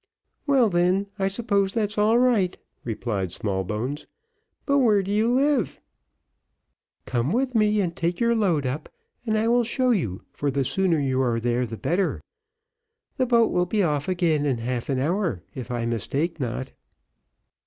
"Well, then I suppose that's all right," replied Smallbones; "but where do you live?" "Come with me, take your load up, and I will show you, for the sooner you are there the better; the boat will be off again in half an hour, if I mistake not."